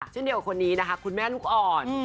ในขณะเดียวกับคนนี้คุณแม่ลูกอ่อน